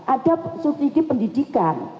ada subsidi pendidikan